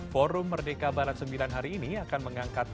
forum merdeka barat sembilan hari ini akan mengangkat